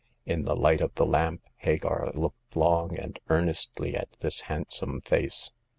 In the light of the lamp Hagar looked long and earnestly at his handsome face.